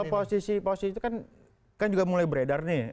posisi posisi itu kan juga mulai beredar nih